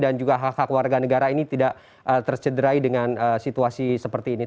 dan juga hak hak warga negara ini tidak tercederai dengan negara negara yang lain